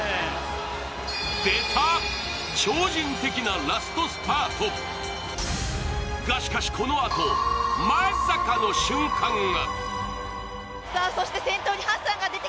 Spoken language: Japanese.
出た、超人的なラストスパート！が、しかしこのあと、まさかの瞬間が。